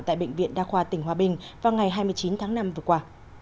tại bệnh viện đa khoa tỉnh hòa bình vào ngày hai mươi chín tháng năm vừa qua